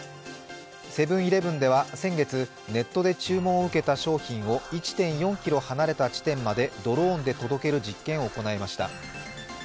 セブン−イレブンでは先月、ネットで注文を受けた商品を１．４ｋｍ離れた地点までドローンで届ける実験を行いました。